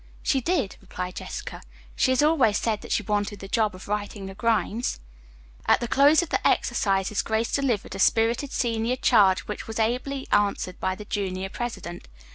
"She did," replied Jessica. "She has always said that she wanted the job of writing the grinds." At the close of the exercises Grace delivered a spirited senior charge which was ably answered by the junior president.